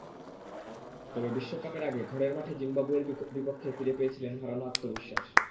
তবে বিশ্বকাপের আগে ঘরের মাঠে জিম্বাবুয়ের বিপক্ষে ফিরে পেয়েছিলেন হারানো আত্মবিশ্বাস।